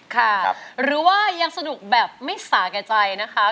ค่ะหรือว่ายังสนุกแบบไม่สาแก่ใจนะคะ